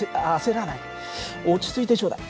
落ち着いてちょうだい。